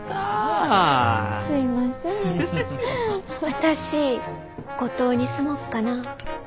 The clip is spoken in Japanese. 私五島に住もっかな。